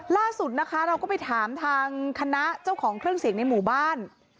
ล่าสุดนะคะเราก็ไปถามทางคณะเจ้าของเครื่องเสียงในหมู่บ้าน